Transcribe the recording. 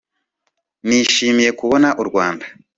“Nishimiye kubona u Rwanda